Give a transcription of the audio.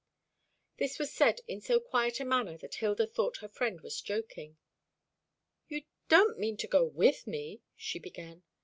This was said in so quiet a manner that Hilda thought her friend was joking. "You don't mean to go with me?" she began.